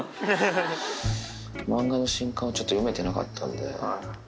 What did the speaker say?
漫画の新刊をちょっと読めてなかったんで。